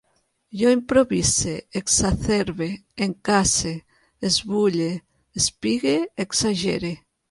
Jo improvise, exacerbe, encase, esbulle, espigue, exagere